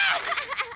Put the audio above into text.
ハハハ！